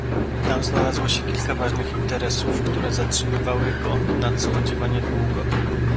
"Tam znalazło się kilka ważnych interesów, które zatrzymywały go nadspodziewanie długo."